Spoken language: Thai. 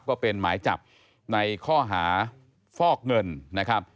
ก็เป็นหมายจับในข้อหาฟอกเงินนะครับ